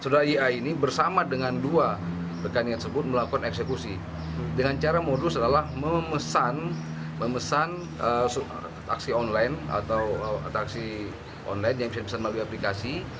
dengan cara modus adalah memesan taksi online atau taksi online yang bisa dipesan melalui aplikasi